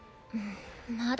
まだ。